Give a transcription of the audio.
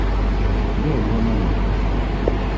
Luɣen waman-a.